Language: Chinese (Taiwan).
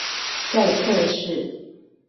在測試